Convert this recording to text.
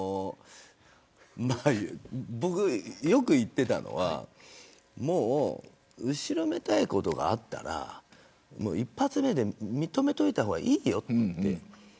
僕がよく言っていたのは後ろめたいことがあったら一発で認めといた方がいいよと。